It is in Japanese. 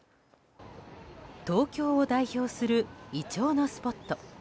東京を代表するイチョウのスポット